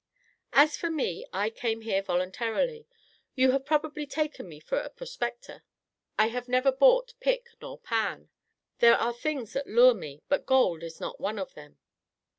"As for me, I came here voluntarily. You have probably taken me for a prospector. I have never bought pick nor pan. There are things that lure me, but gold is not one of them.